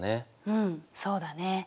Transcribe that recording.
うんそうだね。